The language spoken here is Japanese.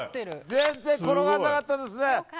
全然転がらなかったですね。